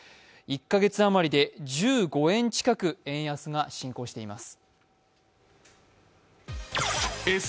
１カ月余りで１５円近く円安が進行しています。